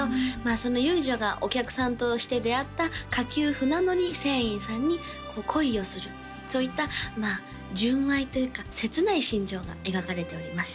その遊女がお客さんとして出会った下級船乗り船員さんに恋をするそういった純愛というか切ない心情が描かれております